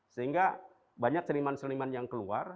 sehingga banyak seniman seniman yang keluar